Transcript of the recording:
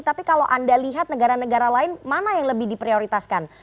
tapi kalau anda lihat negara negara lain mana yang lebih diprioritaskan